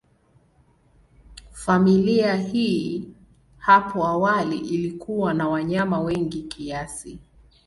Familia hii hapo awali ilikuwa na wanyama wengi kiasi.